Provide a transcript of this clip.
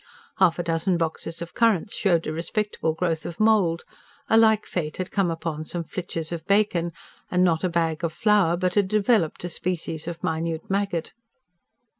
Half a dozen boxes of currants showed a respectable growth of mould; a like fate had come upon some flitches of bacon; and not a bag of flour but had developed a species of minute maggot.